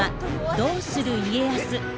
「どうする家康」。